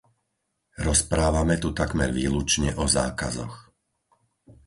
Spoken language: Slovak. Rozprávame tu takmer výlučne o zákazoch.